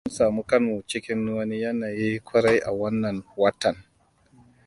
Mun samu kanmu cikin wani yanayi kwarai a wannan watan.